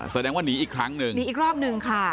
แสดงว่าหนีอีกครั้งหนึ่งหนีอีกรอบหนึ่งค่ะ